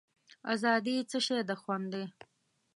آزادي څه شی ده خوند دی.